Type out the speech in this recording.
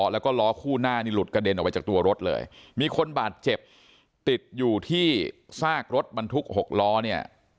แล้วก็ล้อคู่หน้านี่หลุดกระเด็นออกไปจากตัวรถเลยมีคนบาดเจ็บติดอยู่ที่ซากรถบรรทุก๖ล้อเนี่ย